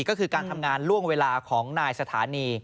ก็คือการทำงานล่วงเวลาของนายสถานี